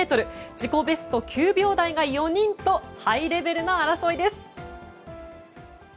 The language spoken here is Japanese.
自己ベスト９秒台が４人とハイレベルな争いです！